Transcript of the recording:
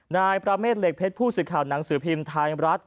นายประเมฆเหล็กเพชรผู้สื่อข่าวหนังสือพิมพ์ไทยรัฐ